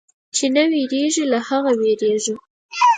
چې نه وېرېږي، له هغه وېرېږه.